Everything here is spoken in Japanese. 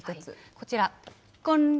こちら。